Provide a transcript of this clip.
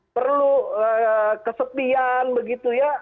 perlu kesepian begitu ya